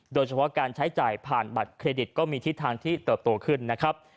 โดยเฉพาะการใช้จ่ายผ่านบัตรเครดิตก็มีทิศทางที่เติบโตขึ้นนะครับ